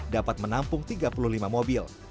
dapat menampung tiga puluh lima mobil